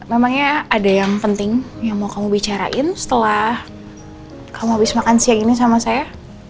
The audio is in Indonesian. memangnya ada yang penting yang mau kamu bicarain setelah kamu habis makan siang ini sama saya